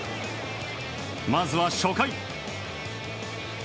まずは初回。